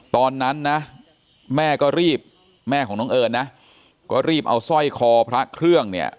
ตอนนั้นนะแม่ก็รีบแม่ของน้องเอิญนะก็รีบเอาสร้อยคอพระเครื่องเนี่ย